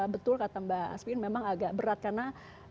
betul kata mbak asvin memang agak berat karena